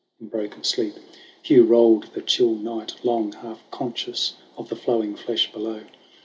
In broken sleep Hugh rolled the chill night long, Half conscious of the flowing flesh below.